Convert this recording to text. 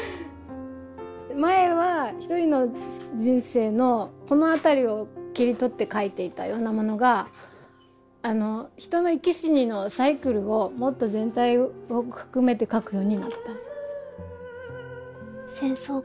前は一人の人生のこの辺りを切り取って描いていたようなものが人の生き死にのサイクルをもっと全体を含めて描くようになった。